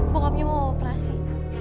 bokapnya mau operasi